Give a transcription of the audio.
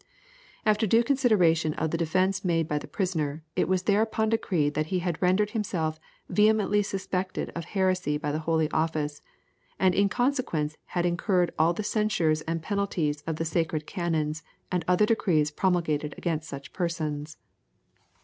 After due consideration of the defence made by the prisoner, it was thereupon decreed that he had rendered himself vehemently suspected of heresy by the Holy Office, and in consequence had incurred all the censures and penalties of the sacred canons, and other decrees promulgated against such persons.